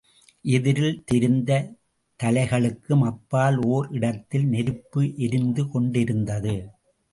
எதிரில் தெரிந்த தலைகளுக்கும் அப்பால் ஓர் இடத்திலே நெருப்பு எரிந்து கொண்டிருந்தது.